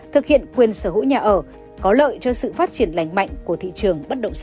thực hiện quyền sở hữu nhà ở có lợi cho sự phát triển lành mạnh của thị trường bất động sản